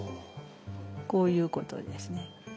こういうことですね。